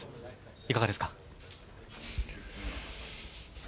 いかがですか？